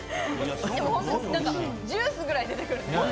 ジュースくらい出てくるね。